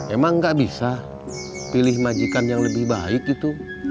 emang gak bisa pilih majikan yang lebih baik gitu